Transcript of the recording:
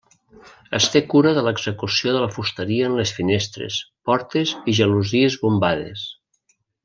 Es té cura de l'execució de la fusteria en les finestres, portes i gelosies bombades.